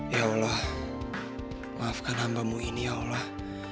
ya allah maafkan hambamu ini ya allah